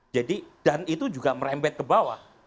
jadi dan itu juga merempet ke bawah